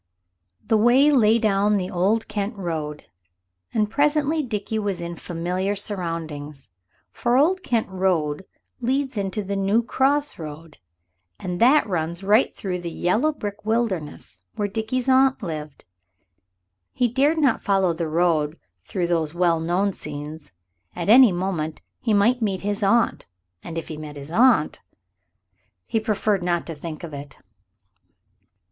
The way lay down the Old Kent Road, and presently Dickie was in familiar surroundings. For the Old Kent Road leads into the New Cross Road, and that runs right through the yellow brick wilderness where Dickie's aunt lived. He dared not follow the road through those well known scenes. At any moment he might meet his aunt. And if he met his aunt ... he preferred not to think of it.